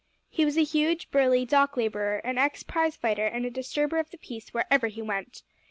He was a huge, burly dock labourer; an ex prize fighter and a disturber of the peace wherever he went.